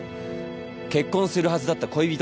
結婚するはずだった恋人もいたけど。